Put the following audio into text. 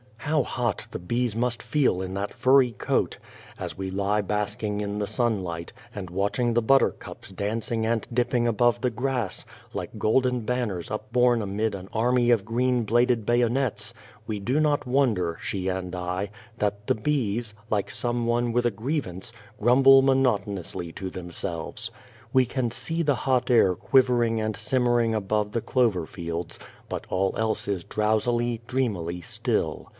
How hot the bees must feel in that furry coat! As we lie basking in the sunlight, and watching the buttercups dancing and dipping above the grass, like golden banners upborne amid an army of green bladed bayonets, we do not wonder, she 12 The Child Face and I, that the bees like some one with a grievance grumble monotonously to them selves. We can see the hot air quivering and simmering above the clover fields, but all else is drowsily, dreamily still.